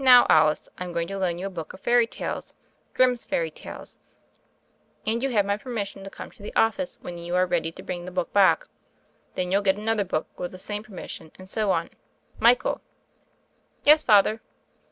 "Now, Alice, Tm going to loan you a book of fairy tales — Grimm's Fairy Tales : and you have my permission to come to the office when you are ready to bring the book back. Then you'll get another book with the same permission and so on. Michael!" "Yes, Father."